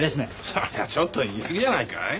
それはちょっと言いすぎじゃないかい？